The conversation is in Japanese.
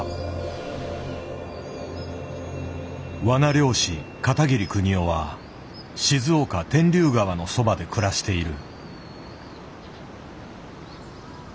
わな猟師片桐邦雄は静岡天竜川のそばで暮らしている。